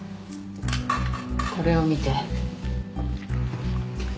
これを見て。